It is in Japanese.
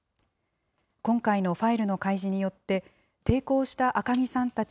今回のファイルの開示によって、抵抗した赤木さんたち